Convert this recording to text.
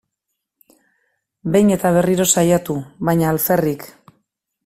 Behin eta berriro saiatu, baina alferrik.